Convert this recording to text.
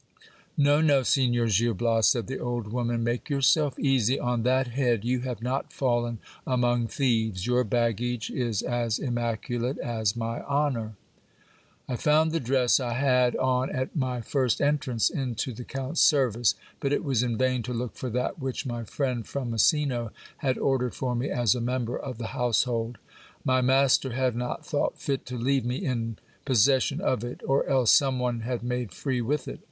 No, no, Signor Gil Bias, said the old woman, make yourself easy on that head ; you have not fallen among thieves. Your baggage is as immaculate as my honour. I found the dress 1 had on at my first entrance into the count's service ; but it was in vain to look for that which my friend from Messino had ordered for me as a member of the household. My master had not thought fit to leave me in possession of it, or else some one had made free with it.